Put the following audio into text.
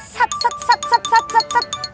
sat sat sat sat sat sat